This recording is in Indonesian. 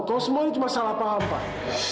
kalau semua ini cuma salah pak ampar